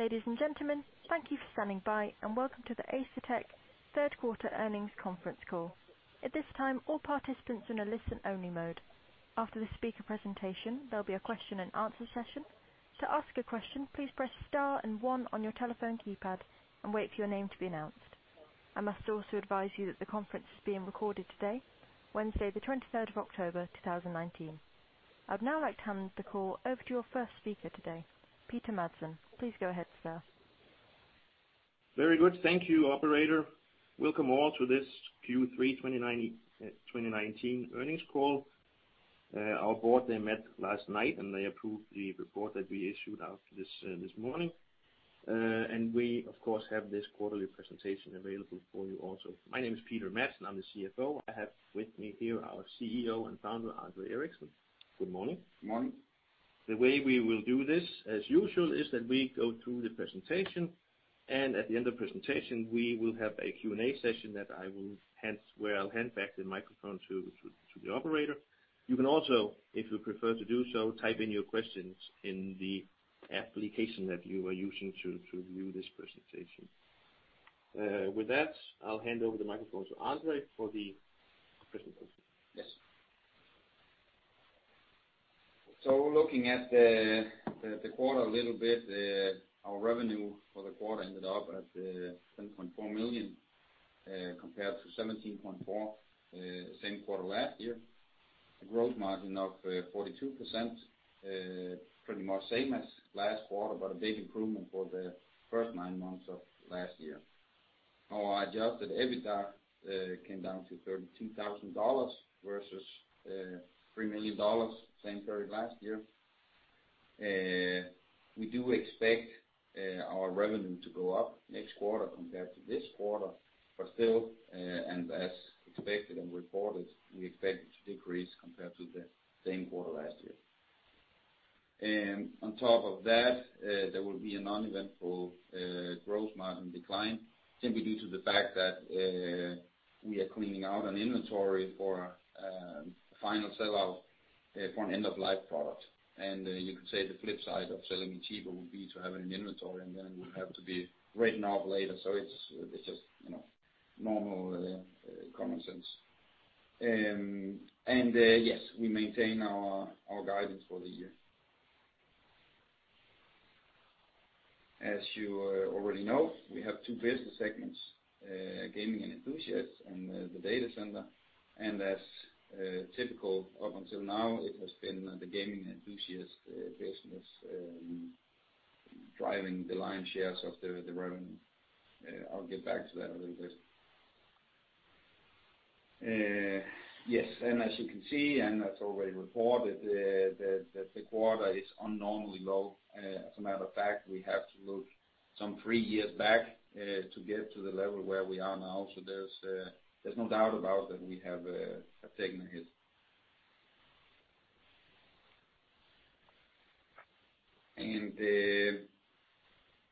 Ladies and gentlemen, thank you for standing by, and welcome to the Asetek Third Quarter Earnings Conference Call. At this time, all participants are in a listen-only mode. After the speaker presentation, there'll be a question and answer session. To ask a question, please press star and one on your telephone keypad and wait for your name to be announced. I must also advise you that the conference is being recorded today, Wednesday, the 23rd of October, 2019. I'd now like to hand the call over to your first speaker today, Peter Madsen. Please go ahead, sir. Very good. Thank you, operator. Welcome all to this Q3 2019 earnings call. Our board, they met last night, and they approved the report that we issued out this morning. We, of course, have this quarterly presentation available for you also. My name is Peter Madsen, I'm the CFO. I have with me here our CEO and founder, André Eriksen. Good morning. Morning. The way we will do this, as usual, is that we go through the presentation, and at the end of presentation, we will have a Q&A session where I'll hand back the microphone to the operator. You can also, if you prefer to do so, type in your questions in the application that you are using to view this presentation. With that, I'll hand over the microphone to André for the presentation. Looking at the quarter a little bit, our revenue for the quarter ended up at $10.4 million, compared to $17.4 million the same quarter last year. A gross margin of 42%, pretty much same as last quarter, a big improvement for the first nine months of last year. Our adjusted EBITDA came down to $32,000 versus $3 million same period last year. We do expect our revenue to go up next quarter compared to this quarter. Still, and as expected and reported, we expect it to decrease compared to the same quarter last year. On top of that, there will be a non-eventful gross margin decline simply due to the fact that we are cleaning out an inventory for a final sell-off for an end-of-life product. You could say the flip side of selling cheaper would be to have it in inventory, and then it would have to be written off later. It's just normal common sense. Yes, we maintain our guidance for the year. As you already know, we have two business segments, Gaming and Enthusiast and the Data Center. As typical up until now, it has been the Gaming and Enthusiast business driving the lion's share of the revenue. I'll get back to that a little bit. Yes, as you can see, and as already reported, the quarter is unnormally low. As a matter of fact, we have to look some three years back to get to the level where we are now. There's no doubt about that we have taken a hit.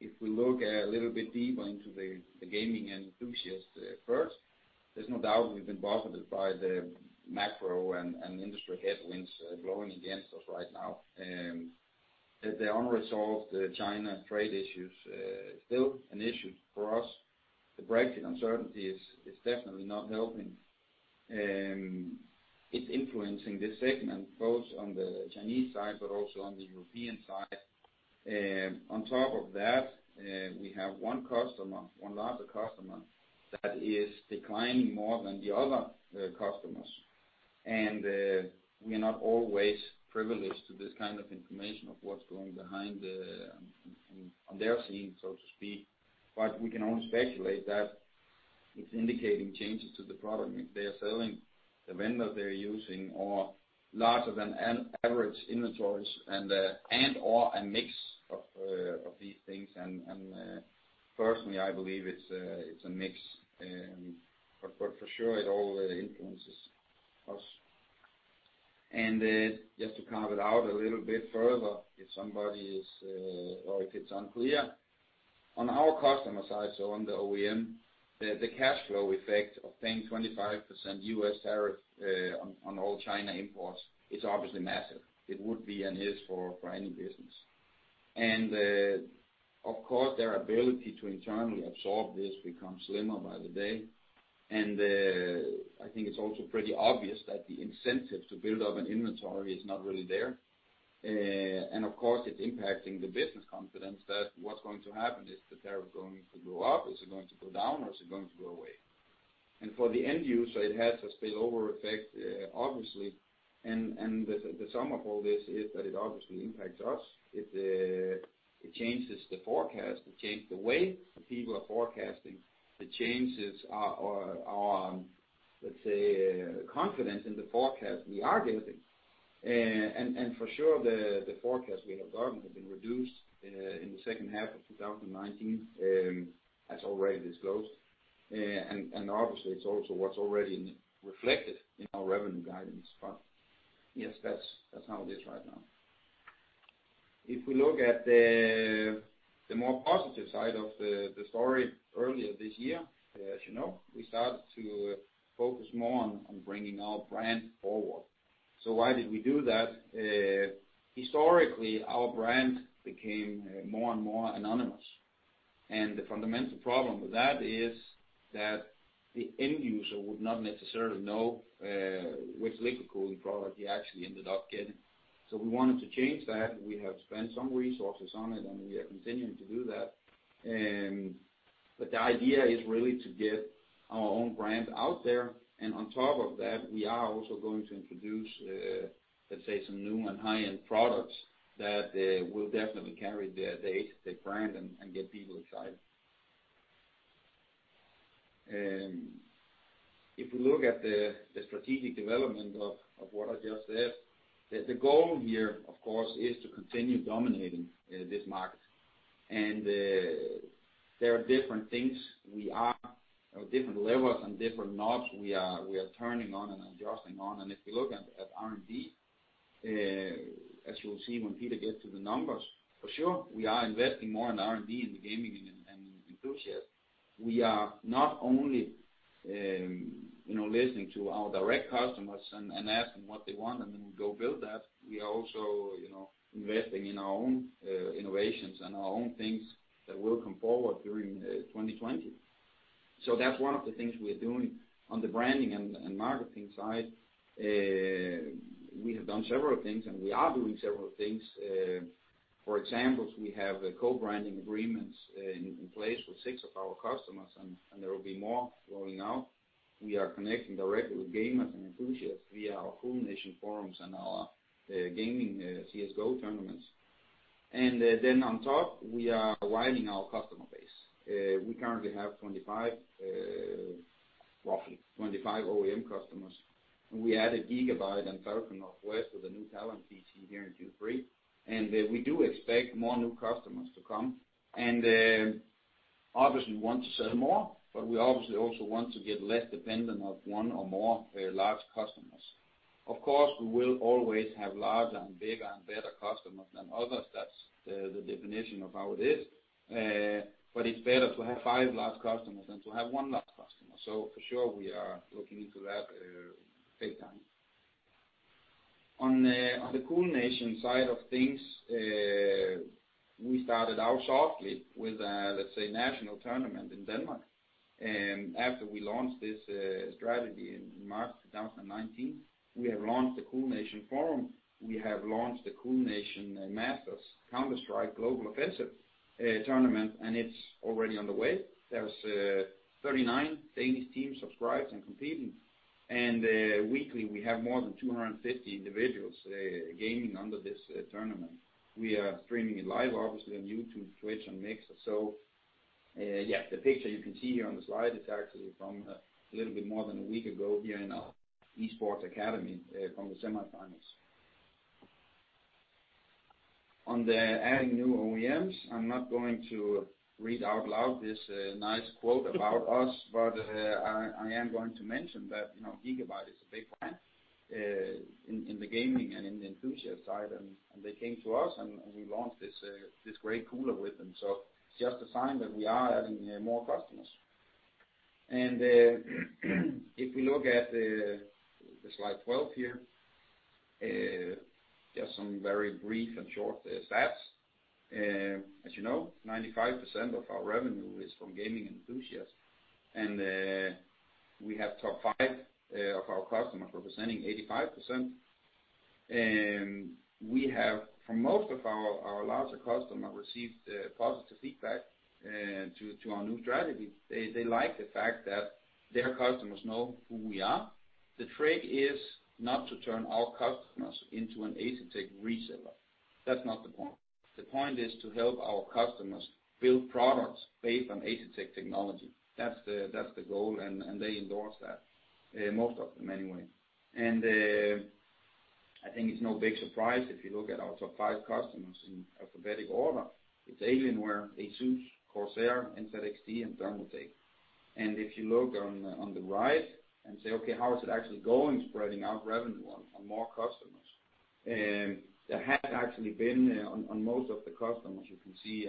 If we look a little bit deeper into the Gaming and Enthusiast first, there's no doubt we've been buffeted by the macro and industry headwinds blowing against us right now. The unresolved China trade issue is still an issue for us. The Brexit uncertainty is definitely not helping. It's influencing this segment, both on the Chinese side, but also on the European side. On top of that, we have one larger customer that is declining more than the other customers. We are not always privileged to this kind of information of what's going behind on their scene, so to speak. We can only speculate that it's indicating changes to the product they are selling, the vendor they're using, or larger than average inventories and/or a mix of these things. Personally, I believe it's a mix. For sure, it all influences us. Just to carve it out a little bit further, if it's unclear. On our customer side, so on the OEM, the cash flow effect of paying 25% U.S. tariff on all China imports is obviously massive. It would be and is for any business. Of course, their ability to internally absorb this becomes slimmer by the day. I think it's also pretty obvious that the incentive to build up an inventory is not really there. Of course, it's impacting the business confidence that what's going to happen is the tariff going to go up? Is it going to go down, or is it going to go away? For the end user, it has a spillover effect, obviously. The sum of all this is that it obviously impacts us. It changes the forecast. It changed the way the people are forecasting. It changes our, let's say, confidence in the forecast we are giving. For sure, the forecast we have gotten has been reduced in the second half of 2019, as already disclosed. Obviously, it's also what's already reflected in our revenue guidance. Yes, that's how it is right now. If we look at the more positive side of the story earlier this year, as you know, we started to focus more on bringing our brand forward. Why did we do that? Historically, our brand became more and more anonymous. The fundamental problem with that is that the end user would not necessarily know which liquid cooling product he actually ended up getting. We wanted to change that. We have spent some resources on it, and we are continuing to do that. The idea is really to get our own brand out there. On top of that, we are also going to introduce, let's say, some new and high-end products that will definitely carry the Asetek brand and get people excited. If we look at the strategic development of what I just said, the goal here, of course, is to continue dominating this market. There are different things, different levers and different knobs we are turning on and adjusting on. If you look at R&D, as you'll see when Peter gets to the numbers, for sure, we are investing more in R&D in the Gaming and Enthusiast. We are not only listening to our direct customers and asking what they want, and then we go build that. We are also investing in our own innovations and our own things that will come forward during 2020. That's one of the things we're doing. On the branding and marketing side, we have done several things, and we are doing several things. For example, we have co-branding agreements in place with six of our customers, and there will be more rolling out. We are connecting directly with gamers and enthusiasts via our CoolNation forums and our gaming CS:GO tournaments. Then on top, we are widening our customer base. We currently have 25 OEM customers, and we added Gigabyte and Falcon Northwest with the new Talon PC here in Q3. We do expect more new customers to come. Obviously we want to sell more, but we obviously also want to get less dependent of one or more large customers. Of course, we will always have larger and bigger and better customers than others. That's the definition of how it is. It's better to have five large customers than to have one large customer. For sure, we are looking into that big time. On the CoolNation side of things, we started out softly with a, let's say, national tournament in Denmark. After we launched this strategy in March 2019, we have launched the CoolNation forum. We have launched the CoolNation Masters Counter-Strike: Global Offensive tournament, and it's already on the way. There's 39 Danish teams subscribed and competing. Weekly, we have more than 250 individuals gaming under this tournament. We are streaming it live, obviously, on YouTube, Twitch, and Mixer. Yeah, the picture you can see here on the slide is actually from a little bit more than one week ago here in our Esports Academy from the semifinals. On the adding new OEMs, I am not going to read out loud this nice quote about us, but I am going to mention that Gigabyte is a big fan in the Gaming and Enthusiast side. They came to us, and we launched this great cooler with them. Just a sign that we are adding more customers. If we look at slide 12 here, just some very brief and short stats. As you know, 95% of our revenue is from Gaming and Enthusiast, and we have top five of our customers representing 85%. We have, from most of our larger customers, received positive feedback to our new strategy. They like the fact that their customers know who we are. The trick is not to turn our customers into an Asetek reseller. That's not the point. The point is to help our customers build products based on Asetek technology. That's the goal. They endorse that, most of them anyway. I think it's no big surprise if you look at our top five customers in alphabetic order. It's Alienware, ASUS, Corsair, NZXT, and Thermaltake. If you look on the right and say, "Okay, how is it actually going spreading out revenue on more customers?" There has actually been, on most of the customers, you can see,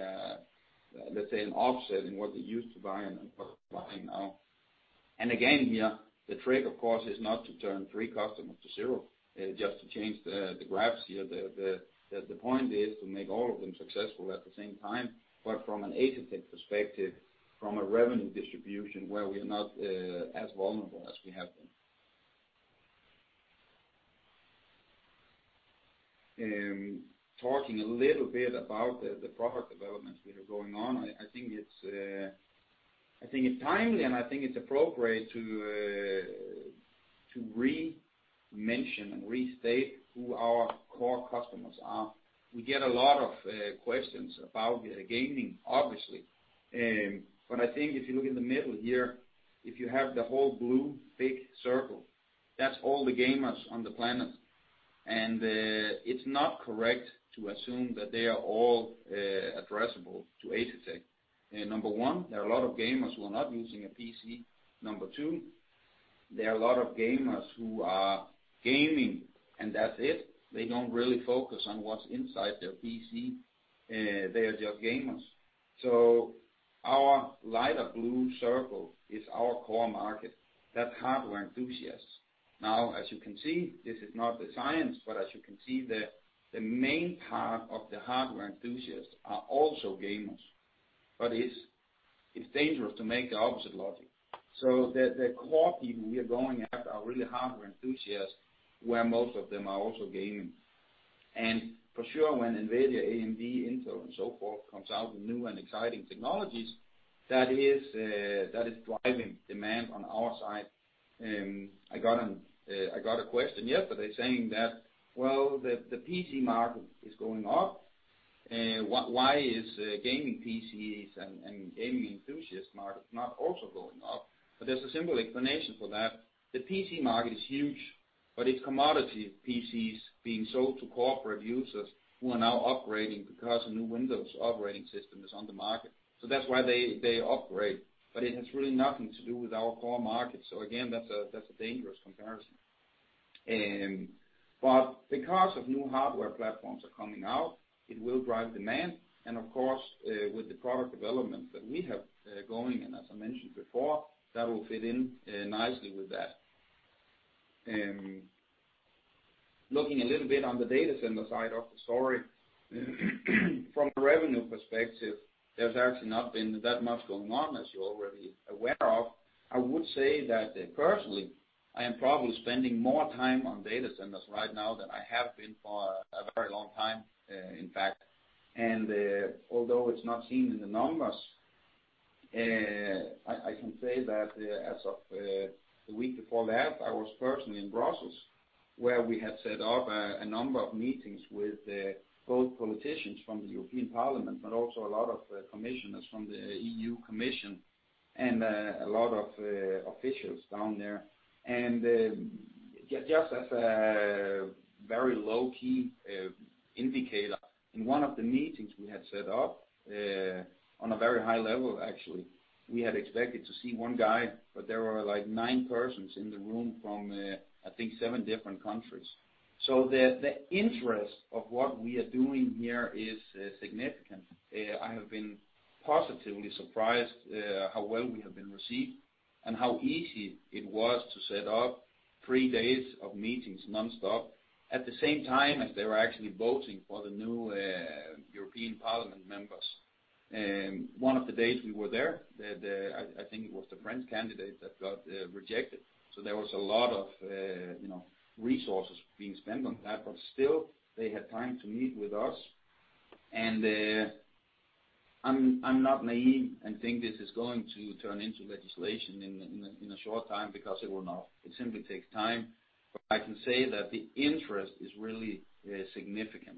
let's say, an offset in what they used to buy and what they're buying now. Again, here, the trick, of course, is not to turn three customers to zero just to change the graphs here. The point is to make all of them successful at the same time, but from an Asetek perspective, from a revenue distribution where we are not as vulnerable as we have been. Talking a little bit about the product developments that are going on, I think it's timely, and I think it's appropriate to re-mention and restate who our core customers are. We get a lot of questions about gaming, obviously. I think if you look in the middle here, if you have the whole blue big circle, that's all the gamers on the planet. It's not correct to assume that they are all addressable to Asetek. Number 1, there are a lot of gamers who are not using a PC. Number 2, there are a lot of gamers who are gaming, and that's it. They don't really focus on what's inside their PC. They are just gamers. Our lighter blue circle is our core market. That's hardware enthusiasts. As you can see, this is not a science, but as you can see there, the main part of the hardware enthusiasts are also gamers. It's dangerous to make the opposite logic. The core people we are going after are really hardware enthusiasts, where most of them are also gaming. For sure, when NVIDIA, AMD, Intel, and so forth comes out with new and exciting technologies, that is driving demand on our side. I got a question yesterday saying that, "Well, the PC market is going up. Why is gaming PCs and Gaming and Enthusiast market not also going up?" There's a simple explanation for that. The PC market is huge, but it's commodity PCs being sold to corporate users who are now upgrading because a new Windows operating system is on the market. That's why they upgrade, but it has really nothing to do with our core market. Again, that's a dangerous comparison. Because of new hardware platforms are coming out, it will drive demand. Of course, with the product development that we have going, and as I mentioned before, that will fit in nicely with that. Looking a little bit on the Data Center side of the story, from a revenue perspective, there's actually not been that much going on, as you're already aware of. I would say that personally, I am probably spending more time on data centers right now than I have been for a very long time, in fact. Although it's not seen in the numbers, I can say that as of the week before last, I was personally in Brussels, where we had set up a number of meetings with both politicians from the European Parliament, also a lot of commissioners from the European Commission and a lot of officials down there. Just as a very low-key indicator, in one of the meetings we had set up, on a very high level, actually, we had expected to see one guy, but there were nine persons in the room from, I think, seven different countries. The interest of what we are doing here is significant. I have been positively surprised how well we have been received and how easy it was to set up three days of meetings nonstop. At the same time as they were actually voting for the new European Parliament members. One of the days we were there, I think it was the French candidate that got rejected. There was a lot of resources being spent on that, but still, they had time to meet with us. I'm not naive and think this is going to turn into legislation in a short time because it will not. It simply takes time. I can say that the interest is really significant,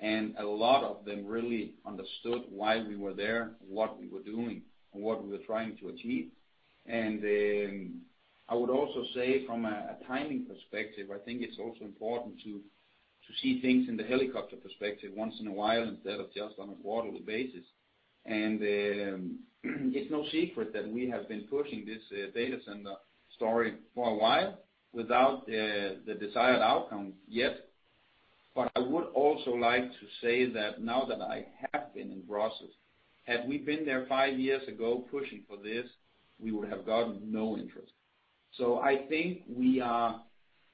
and a lot of them really understood why we were there, what we were doing, and what we were trying to achieve. I would also say from a timing perspective, I think it's also important to see things in the helicopter perspective once in a while instead of just on a quarterly basis. It's no secret that we have been pushing this Data Center story for a while without the desired outcome yet. I would also like to say that now that I have been in Brussels, had we been there five years ago pushing for this, we would have gotten no interest. I think we are,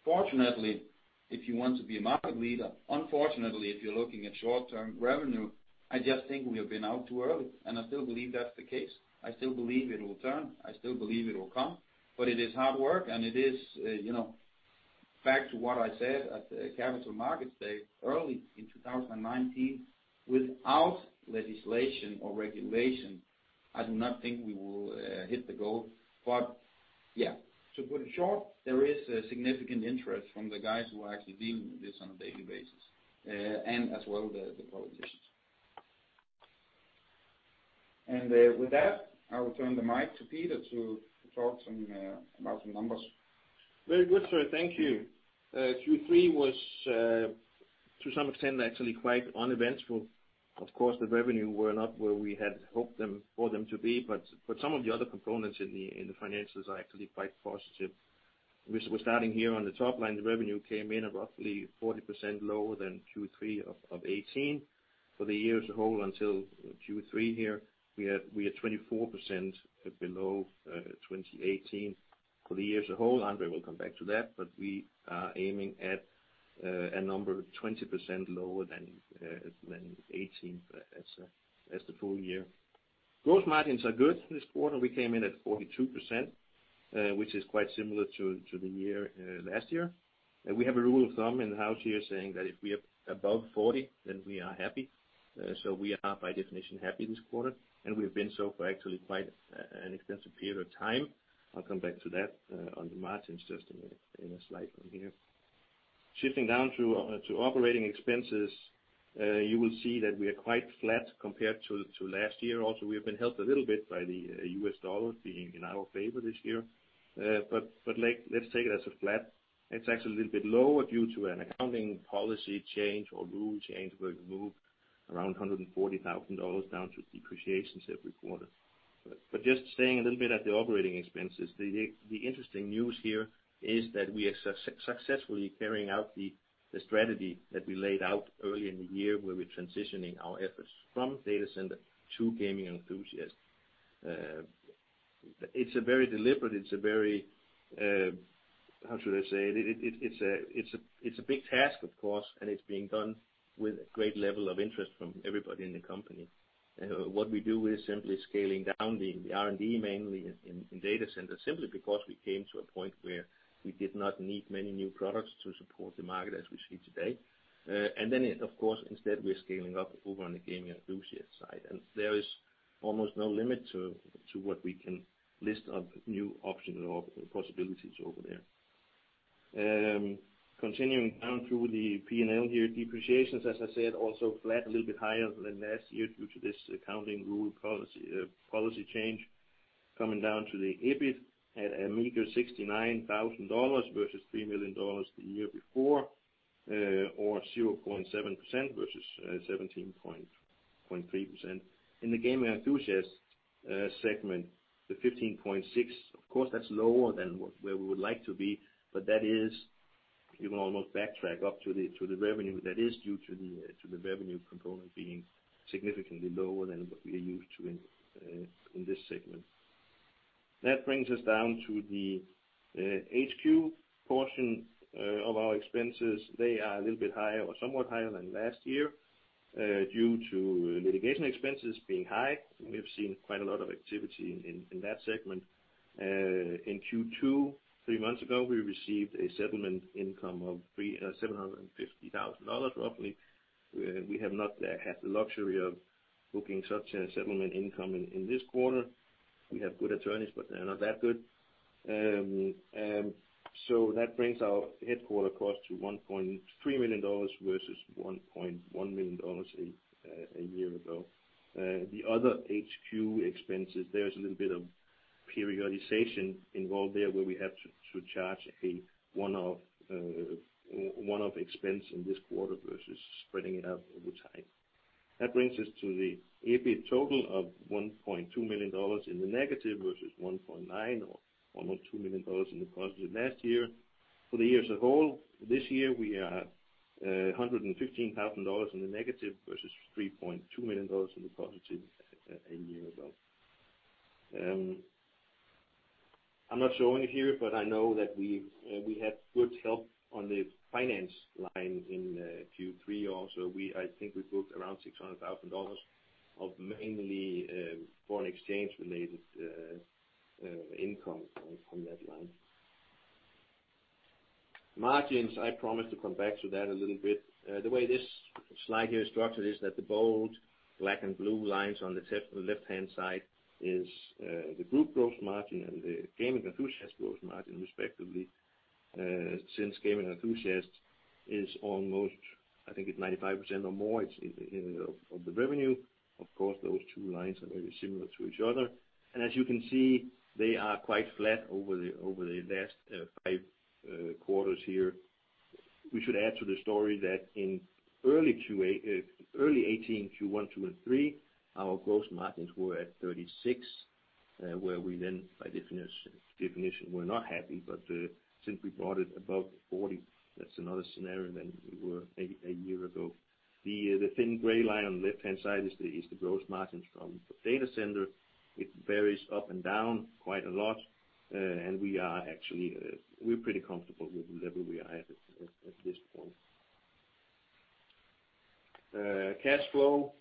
fortunately, if you want to be a market leader, unfortunately, if you're looking at short-term revenue, I just think we have been out too early, and I still believe that's the case. I still believe it'll turn. I still believe it'll come, but it is hard work, and it is back to what I said at the Capital Markets Day early in 2019, without legislation or regulation, I do not think we will hit the goal. Yeah, to put it short, there is a significant interest from the guys who are actually dealing with this on a daily basis, and as well the politicians. With that, I will turn the mic to Peter to talk about some numbers. Very good, sir. Thank you. Q3 was to some extent, actually quite uneventful. Of course, the revenue were not where we had hoped for them to be, but some of the other components in the financials are actually quite positive. We're starting here on the top line. The revenue came in at roughly 40% lower than Q3 of 2018. For the year as a whole until Q3 here, we are 24% below 2018. For the year as a whole, André will come back to that, but we are aiming at a number 20% lower than 2018 as the full year. Gross margins are good this quarter. We came in at 42%, which is quite similar to the year, last year. We have a rule of thumb in-house here saying that if we are above 40, then we are happy. We are, by definition, happy this quarter, and we've been so for actually quite an extensive period of time. I'll come back to that on the margins just in a slide from here. Shifting down to operating expenses, you will see that we are quite flat compared to last year. We have been helped a little bit by the US dollar being in our favor this year. Let's take it as a flat. It's actually a little bit lower due to an accounting policy change or rule change where it moved around $140,000 down to depreciations every quarter. Just staying a little bit at the operating expenses, the interesting news here is that we are successfully carrying out the strategy that we laid out earlier in the year where we're transitioning our efforts from Data Center to Gaming and Enthusiast. It's very deliberate. How should I say it? It's a big task, of course, and it's being done with a great level of interest from everybody in the company. What we do is simply scaling down the R&D, mainly in Data Center, simply because we came to a point where we did not need many new products to support the market as we see today. Then of course, instead we're scaling up over on the Gaming and Enthusiast side, and there is almost no limit to what we can list of new options or possibilities over there. Continuing down through the P&L here, depreciations, as I said, also flat a little bit higher than last year due to this accounting rule policy change. Coming down to the EBIT at a meager $69,000 versus $3 million the year before or 0.7% versus 17.3%. In the Gaming and Enthusiast segment, the 15.6, of course, that's lower than where we would like to be, but that is, you can almost backtrack up to the revenue that is due to the revenue component being significantly lower than what we are used to in this segment. That brings us down to the HQ portion of our expenses. They are a little bit higher or somewhat higher than last year due to litigation expenses being high. We have seen quite a lot of activity in that segment. In Q2, three months ago, we received a settlement income of $750,000 roughly. We have not had the luxury of booking such a settlement income in this quarter. We have good attorneys, but they're not that good. That brings our headquarters cost to $1.3 million versus $1.1 million a year ago. The other HQ expenses, there is a little bit of periodization involved there where we have to charge a one-off expense in this quarter versus spreading it out over time. That brings us to the EBIT total of $1.2 million in the negative, versus $1.9 million or almost $2 million in the positive last year. For the years as a whole, this year we are $115,000 in the negative versus $3.2 million in the positive a year ago. I'm not showing it here, but I know that we had good help on the finance line in Q3 also. I think we booked around $600,000 of mainly foreign exchange related income from that line. Margins, I promise to come back to that a little bit. The way this slide here is structured is that the bold black and blue lines on the left-hand side is the group gross margin and the Gaming and Enthusiast gross margin, respectively. Since Gaming and Enthusiast is almost, I think it is 95% or more, it is of the revenue. Those two lines are very similar to each other. As you can see, they are quite flat over the last five quarters here. We should add to the story that in early 2018, Q1, two, and three, our gross margins were at 36%, where we then, by definition, were not happy. Since we brought it above 40%, that is another scenario than we were a year ago. The thin gray line on the left-hand side is the gross margins from the Data Center. It varies up and down quite a lot. We're pretty comfortable with the level we are at this point. Cash flow,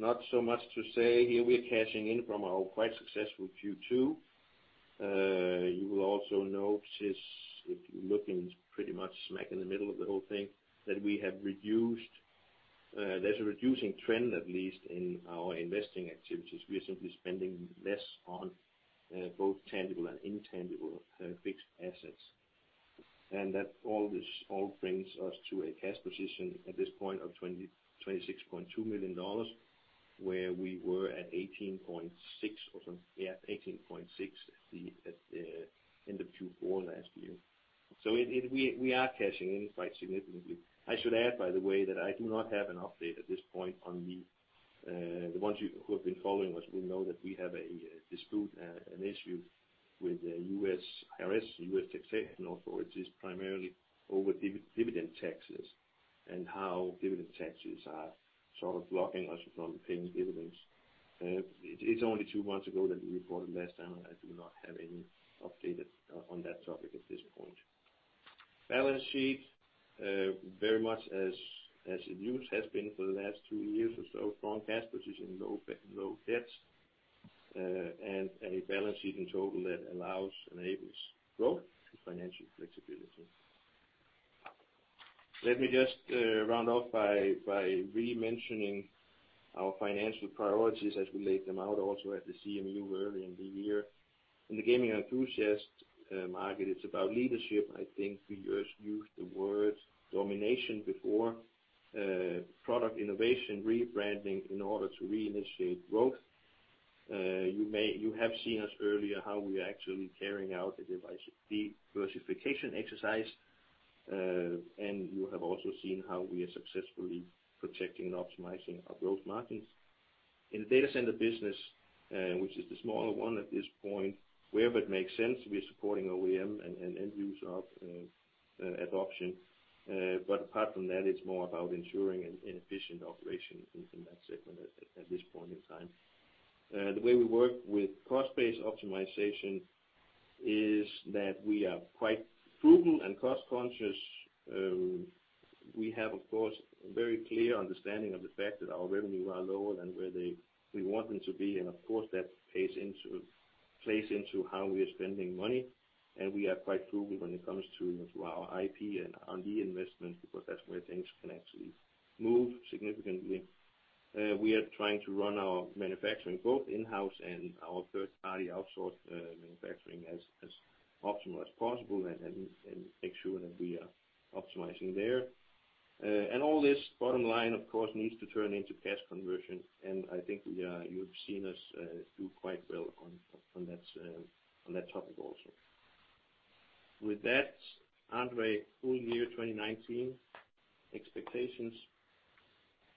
not so much to say here. We're cashing in from our quite successful Q2. You will also notice if you look in pretty much smack in the middle of the whole thing, there's a reducing trend, at least in our investing activities. We are simply spending less on both tangible and intangible fixed assets. That all brings us to a cash position at this point of $26.2 million, where we were at $18.6 at the end of Q4 last year. We are cashing in quite significantly. I should add, by the way, that I do not have an update at this point on the ones who have been following us will know that we have a dispute, an issue with the U.S. IRS, U.S. taxation authorities, primarily over dividend taxes and how dividend taxes are sort of blocking us from paying dividends. It's only two months ago that we reported last time, and I do not have any update on that topic at this point. Balance sheet, very much as in use has been for the last two years or so. Strong cash position, low debt, and a balance sheet in total that allows, enables growth and financial flexibility. Let me just round off by re-mentioning our financial priorities as we laid them out also at the CMD early in the year. In the Gaming and Enthusiast market, it's about leadership. I think we just used the word domination before. Product innovation, rebranding in order to reinitiate growth. You have seen us earlier, how we are actually carrying out a device diversification exercise. You have also seen how we are successfully protecting and optimizing our growth markets. In the Data Center business, which is the smaller one at this point. Wherever it makes sense, we are supporting OEM and end user adoption. Apart from that, it's more about ensuring an efficient operation within that segment at this point in time. The way we work with cost-based optimization is that we are quite frugal and cost-conscious. We have, of course, a very clear understanding of the fact that our revenue are lower than where we want them to be, and of course, that plays into how we are spending money. We are quite frugal when it comes to our IP and R&D investments, because that's where things can actually move significantly. We are trying to run our manufacturing, both in-house and our third-party outsource manufacturing, as optimal as possible and make sure that we are optimizing there. All this bottom line, of course, needs to turn into cash conversion, and I think you've seen us do quite well on that topic also. With that, André, full year 2019 expectations?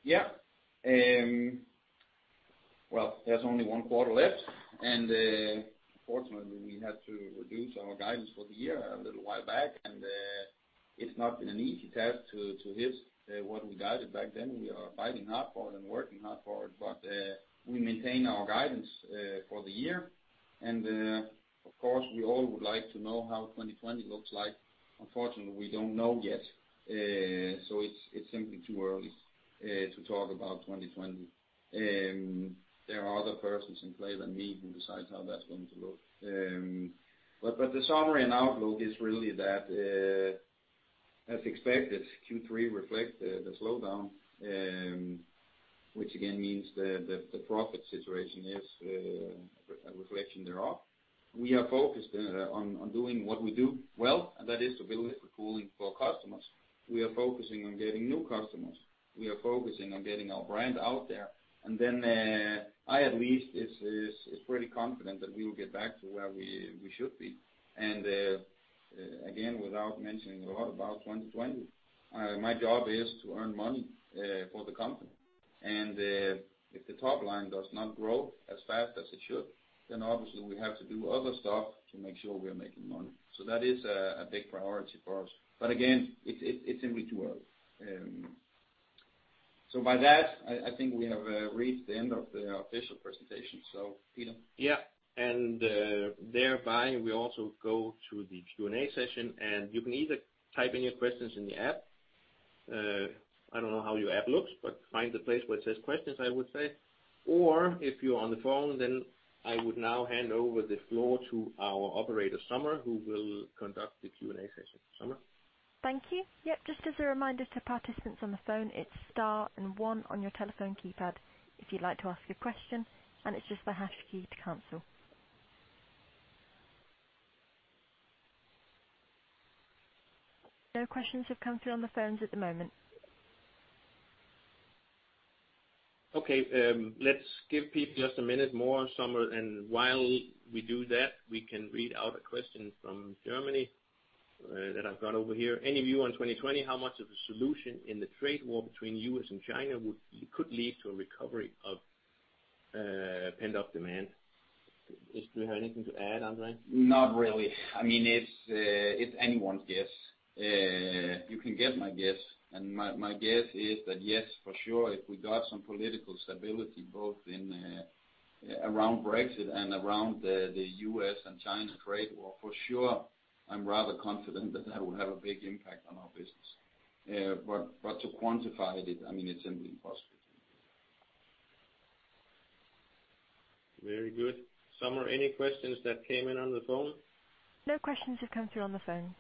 Yeah. Well, there's only one quarter left. Unfortunately, we had to reduce our guidance for the year a little while back. It's not been an easy task to hit what we guided back then. We are fighting hard for it and working hard for it. We maintain our guidance for the year. Of course, we all would like to know how 2020 looks like. Unfortunately, we don't know yet. It's simply too early to talk about 2020. There are other persons in play than me who decides how that's going to look. The summary and outlook is really that, as expected, Q3 reflect the slowdown, which again means the profit situation is a reflection thereof. We are focused on doing what we do well, and that is to build liquid cooling for our customers. We are focusing on getting new customers. We are focusing on getting our brand out there. Then, I at least is pretty confident that we will get back to where we should be. Again, without mentioning a lot about 2020, my job is to earn money for the company. If the top line does not grow as fast as it should, then obviously we have to do other stuff to make sure we are making money. That is a big priority for us. Again, it's simply too early. With that, I think we have reached the end of the official presentation. Peter? Yeah. Thereby, we also go to the Q&A session, and you can either type in your questions in the app. I don't know how your app looks, but find the place where it says Questions, I would say. If you're on the phone, then I would now hand over the floor to our operator, Summer, who will conduct the Q&A session. Summer? Thank you. Yep. Just as a reminder to participants on the phone, it is star and one on your telephone keypad if you would like to ask a question, and it is just the hash key to cancel. No questions have come through on the phones at the moment. Okay. Let's give people just a minute more, Summer, while we do that, we can read out a question from Germany that I've got over here. Any view on 2020, how much of a solution in the trade war between U.S. and China could lead to a recovery of pent-up demand? Do you have anything to add, André? Not really. It's anyone's guess. You can get my guess, and my guess is that, yes, for sure, if we got some political stability, both around Brexit and around the U.S. and China trade war, for sure, I'm rather confident that that would have a big impact on our business. To quantify it's simply impossible. Very good. Summer, any questions that came in on the phone? No questions have come through on the phone.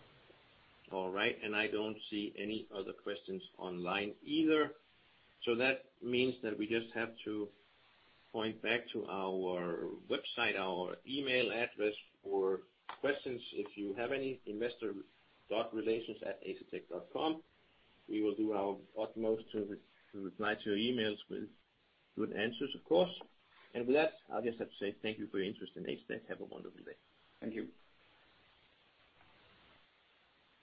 All right, I don't see any other questions online either. That means that we just have to point back to our website, our email address for questions, if you have any, investor.relations@asetek.com. We will do our utmost to reply to your emails with good answers, of course. With that, I'll just have to say thank you for your interest in Asetek. Have a wonderful day. Thank you.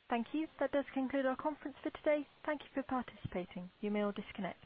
Thank you. That does conclude our conference for today. Thank you for participating. You may all disconnect.